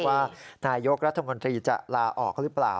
ว่านายกรัฐมนตรีจะลาออกหรือเปล่า